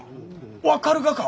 分かるがか！？